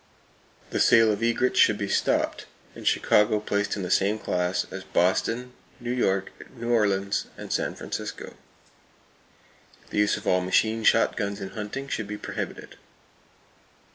The sale of aigrettes should be stopped, and Chicago placed in the same class as Boston, New York, New Orleans and San Francisco. The use of all machine shotguns in hunting should be prohibited.